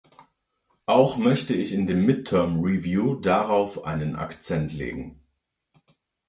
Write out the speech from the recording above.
Auch möchte ich in dem mid term review darauf einen Akzent legen.